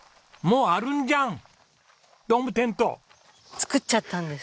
造っちゃったんです。